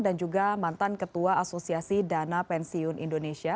dan juga mantan ketua asosiasi dana pensiun indonesia